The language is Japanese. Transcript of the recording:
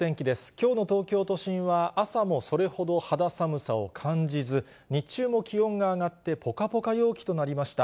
きょうの東京都心は、朝もそれほど肌寒さを感じず、日中も気温が上がって、ぽかぽか陽気となりました。